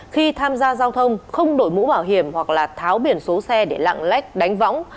khi tham gia giao thông không đổi mũ bảo hiểm hoặc là tháo biển số xe để lạng lách đánh võng